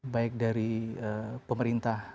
baik dari pemerintah